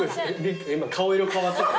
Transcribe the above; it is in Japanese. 顔色変わってた。